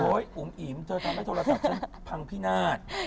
อุ๋มอิ๋มเธอทำให้โทรศัพท์ฉันพังพินาศ